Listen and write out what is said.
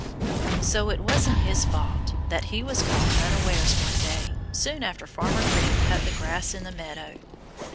So it wasn't his fault that he was caught unawares one day, soon after Farmer Green cut the grass in the meadow.